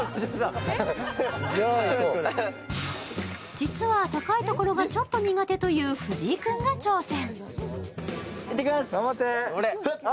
実は高いところがちょっと苦手という藤井君が挑戦。